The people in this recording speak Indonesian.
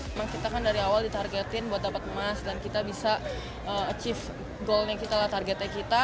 memang kita kan dari awal ditargetin buat dapat emas dan kita bisa achieve golnya kita lah targetnya kita